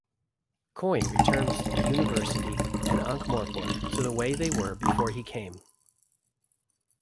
Coin returns the University and Ankh-Morpork to the way they were before he came.